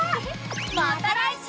また来週！